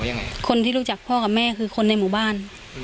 ยังไงคนที่รู้จักพ่อกับแม่คือคนในหมู่บ้าน